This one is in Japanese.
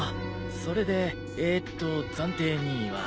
それでええっと暫定２位は。